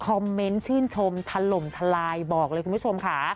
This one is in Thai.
คอมเมนต์ชื่นชมถล่มทลายบอกเลยคุณผู้ชมค่ะ